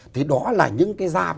thì đó là những cái gia vị